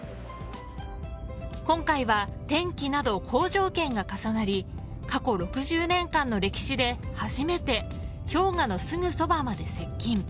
今回は天気など好条件が重なり過去６０年間の歴史で初めて氷河のすぐそばまで接近。